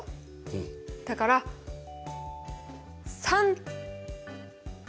だから３。